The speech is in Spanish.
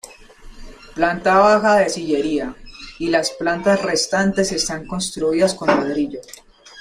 Planta baja de sillería,y las plantas restantes están construidas con ladrillo.